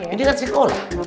ini kan sekolah